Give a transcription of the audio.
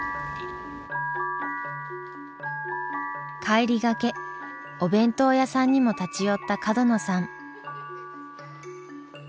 帰りがけお弁当屋さんにも立ち寄った角野さん。